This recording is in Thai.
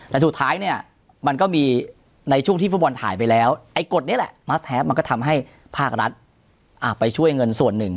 แต่สุดท้ายเนี่ยมันก็มีในช่วงที่ฟุตบอลถ่ายไปแล้วไอ้กฎนี้แหละมัสแฮปมันก็ทำให้ภาครัฐไปช่วยเงินส่วนหนึ่ง